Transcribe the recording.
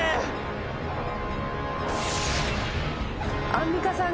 アンミカさん。